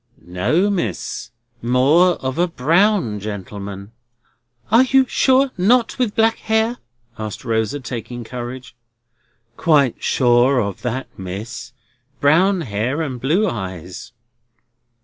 "No, Miss, more of a brown gentleman." "You are sure not with black hair?" asked Rosa, taking courage. "Quite sure of that, Miss. Brown hair and blue eyes."